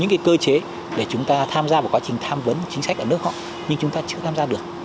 những cơ chế để chúng ta tham gia vào quá trình tham vấn chính sách ở nước họ nhưng chúng ta chưa tham gia được